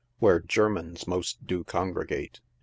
WHERE GERMANS MOST DO CONGREGATE.